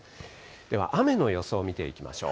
では雨の予想を見ていきましょう。